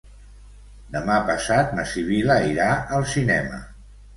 Demà passat na Sibil·la irà al cinema.